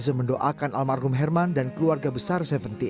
z mendoakan almarhum herman dan keluarga besar tujuh belas